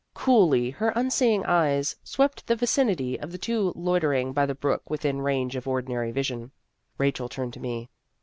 Coolly her unseeing eyes swept the vicin ity of the two loitering by the brook within range of ordinary vision. Rachel turned to me.